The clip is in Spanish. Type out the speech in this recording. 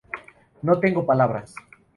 No tengo palabras.